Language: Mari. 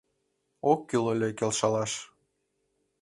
Ок кӱл ыле келшалаш.